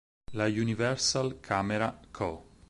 La Universal Camera Co.